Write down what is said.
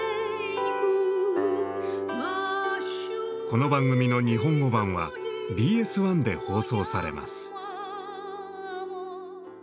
この番組の日本語版はＢＳ１で放送されます。